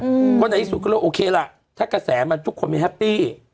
เพราะในที่สุดก็เลยโอเคล่ะถ้ากระแสมันทุกคนไม่แฮปปี้